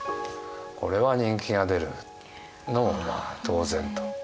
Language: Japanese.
これは人気が出るのも当然と。